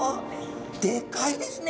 でかいですね！